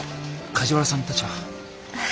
梶原さんたちは。